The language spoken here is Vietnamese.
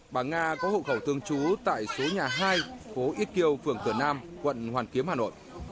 bà nga có hộ khẩu thương chú tại số nhà hai phố ít kiêu phường cửa nam quận hoàn kiếm hà nội